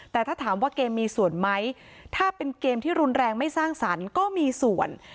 แต่ถ้าถามว่าเกมมีส่วนไหมถ้าเป็นเกมที่รุนแรงไม่สร้างสรรค์ก็มีส่วน